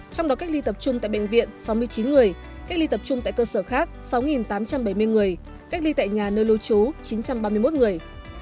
trong đó cách ly tập trung tại bệnh viện sáu mươi chín người cách ly tập trung tại cơ sở khác sáu tám trăm bảy mươi người cách ly tại nhà nơi lưu trú chín trăm ba mươi một người